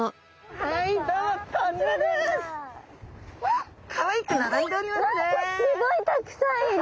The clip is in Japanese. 何かすごいたくさんいる！